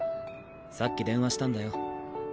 さっき電話したんだよ。